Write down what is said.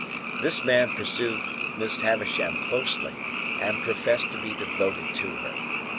This man pursued Miss Havisham closely, and professed to be devoted to her.